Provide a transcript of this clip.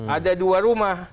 ada dua rumah